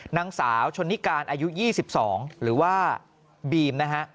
นางสาวชนนิการอายุ๒๒หรือว่าบีมนะฮะ